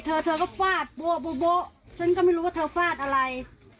เธอเธอก็ฟาดโบ๊ะฉันก็ไม่รู้ว่าเธอฟาดอะไร